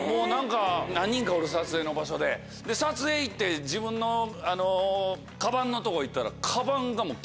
何人かおる撮影の場所で撮影行って自分のカバンのとこ行ったら。